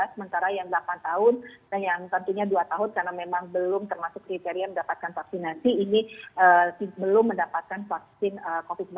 sementara yang delapan tahun dan yang tentunya dua tahun karena memang belum termasuk kriteria mendapatkan vaksinasi ini belum mendapatkan vaksin covid sembilan belas